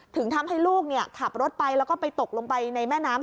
ถึงทำให้ลูกขับรถไปแล้วก็ไปตกลงไปในแม่น้ำ